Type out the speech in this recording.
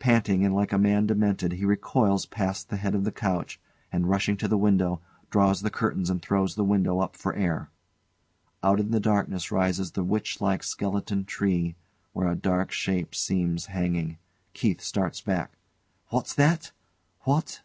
Panting and like a man demented, he recoils past the head of the couch, and rushing to the window, draws the curtains and throws the window up for air. Out in the darkness rises the witch like skeleton tree, where a dark shape seems hanging. KEITH starts back.] What's that? What